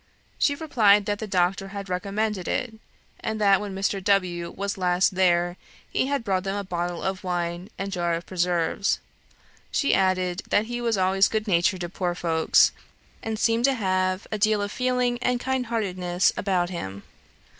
She replied that the doctor had recommended it, and that when Mr. W. was last there, he had brought them a bottle of wine and jar of preserves. She added, that he was always good natured to poor folks, and seemed to have a deal of feeling and kindheartedness about him.